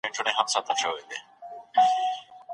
ځینې کسان منفي نظرونه خپروي.